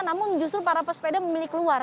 namun justru para pesepeda memilih keluar